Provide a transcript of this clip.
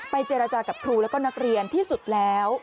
เจรจากับครูแล้วก็นักเรียนที่สุดแล้ว